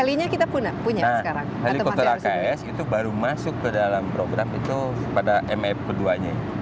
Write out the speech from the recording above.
heli nya kita punya sekarang helikopter aks itu baru masuk ke dalam program itu pada mf keduanya